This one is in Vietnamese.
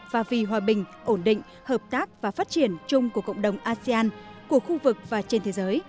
và vì hòa bình ổn định hợp tác và phát triển chung của cộng đồng asean của khu vực và trên thế giới